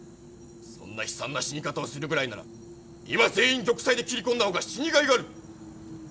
そんな悲惨な死に方をするぐらいなら今全員玉砕で切り込んだ方が死にがいがある！